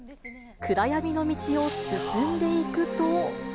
暗闇の道を進んでいくと。